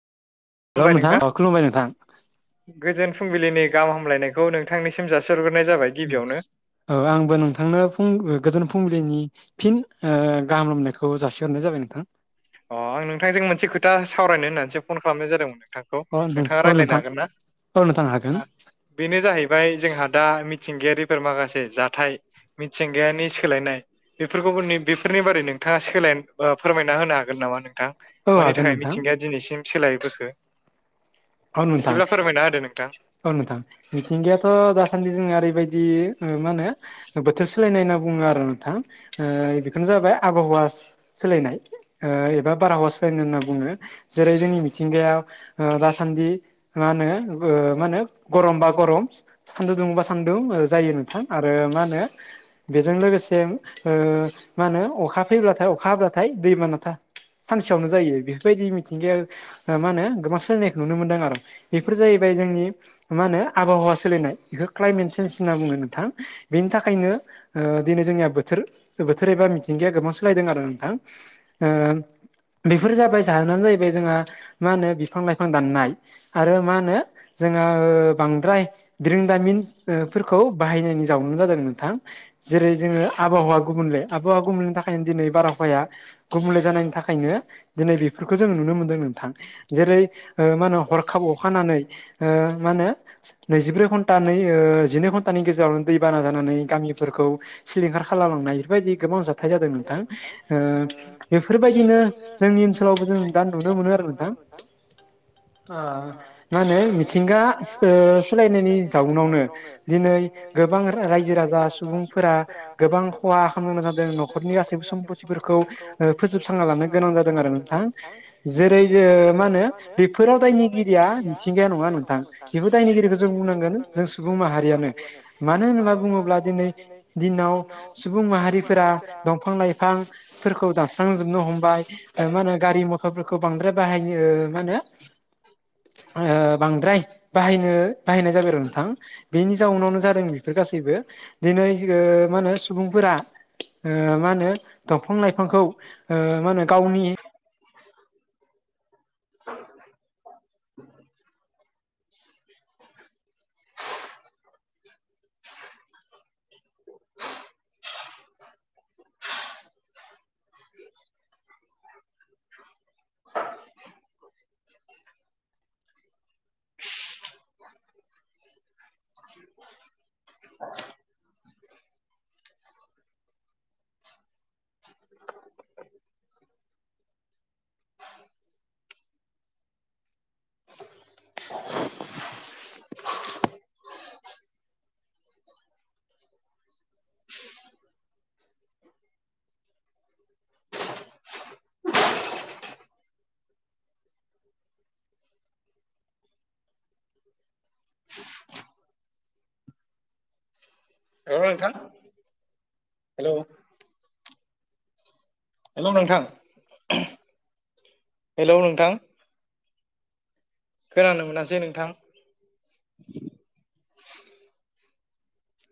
हेल' नोंथां अ खुलुमबाय नोंथां। गोजोन फुंबिलिनि गाहाम हामलायनायखौ नोंथांनिसिम जासिहरग्रोनाय जाबाय औ आंबो नोंथांनो फुं गोजोन फुंबिलिनि फिन ओ गाहाम लामनायखौ जासिहरनाय जाबाय नोंथां। अ आं नोंथांजों मोनसे खोथा सावरायनो होननानैसो फन खालामनाय जादोंमोन नोंथां। खौ नोंथाङा राय्लायनो हागोनना? बेनो जाहैबाय जोंहा दा मिथिंगायारिफोर माखासे जाथाय मिथिंगायानि सोलायनाय बेफोरखौ बेफोरनि बारै नोंथाङा सोलाय फोरमायना होनो हागोन हागोन नामा नोंथां मानि थाखाय मिथिंगाया दिनैसिम सोलायबोखो औ नोंथां [inaudible] फोरमायना होदो नोंथां। औ नोंथां मिथिंगायाथ' दासान्दि जोङो ओरैबायदि मा होनो बोथोर सोलायनाय होनना बुङो आरो नोंथां बेखौनो जाबाय आबहावा सोलायनाय ओ एबा बारहावा सोलायनाय होनना बुङो। जेरै जोंनि मिथिंगायाव दासान्दि मा होनो ओ मा होनो गरम बा गरम सान्दुं दुंबा सान्दुं जायो नोंथां आरो मा होनो बेजों लोगोसे मा होनो अखा फैब्लाथाय अखा हाब्लाथाय दै‌ बाना था सानसेयावनो जायो बेफोरबायदि मिथिंगाया मा होनो गोबां सोलायनायखौ नुनो मोनदों आरो बेफोर जाहैबाय जोंनि मा होनो आबहावा सोललिनाय बेखौ क्लाइमेट चेन्ज होनना बुङो नोंथां बेनि थाखायनो दिनै जोंनिया बोथोर बोथोर एबा मिथिंगाया गोबां सोलायदों आरो नोंथां बेफोर जाबाय जाहोनानो जाहैबाय जोंहा मा होनो बिफां लाइफां दाननाय आरो मा होनो जोंहा बांद्राय बिरोंदामिन फोरखौ बाहायनायनि जाउनाव जादों नोंथां जेरै जोंङो आबाहावा गुबुंले आबाहावा गुबलेनि थाखायनो दिनै बारहावाया गुबुंले जानायनि थाखायनो दिनै बेफोरखौ जों नुनो मोनदों नोंथां जेरै मा होनो हरखाब अखाहानानै मा होनो नैजिब्रै घन्टा नै जिनै घन्टानि गेजेरावनो दै बाना जानानै गामिफोरखौ सिलिंखार खालामलांनाय बेफोरबायदि गोबां जाथाय जाथाय जादों नोंथां बेफोरबायदिनो जोंनि ओनसोलावबो जों दा नुनो मोनो आरो नोंथां [inaudible] ओ मा होनो मिथिंगा सोलायनायनि जाउनावनो दिनै गोबां रायजो राजा सुबुं फोरा गोबां खहा खालामनो नां [unintelligible] जादों नखर न'खरनि गासैबो सम्पतिफोरखौ फोजोबसांना लानो गोनां जादों आरो नोंथां जेरै जे मा होनो बेफोराव दायनिगिरिया मिथिंगाया नङा नों बेबो दायनिगिरिखौ जों बुंनांगोन जों सुबुं माहारियानो मानो होनना बुङोब्ला दिनै दिनाव सुबुं माहारिफोरा दंफां लाइफांफोरखौ दानस्रांजोबनो हमबाय मा होनो गारि मथरफोरखौ बांद्राय बाहायौ मा होनो बांद्राय बाहायनो बाहायनाय जाबाय आरो नोंथां बेनि जाउनावनो जादों बेफोर गासैबो दिनै मा होनो सुबुंफोरा मा होनो दंफां लाइफांखौ मा होनो गावनि [unintelligible] [inaudible] [inaudible] [inaudible] [inaudible] [inaudible] [inaudible] [inaudible] हेल' नोंथां हेल' हेलौ नोंथां हेलौ नोंथां खोनानो मोनासै नोंथां